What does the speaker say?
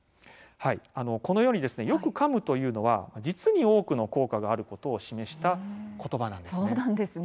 このようにですねよくかむというのは実に多くの効果があることを示した、ことばなんです。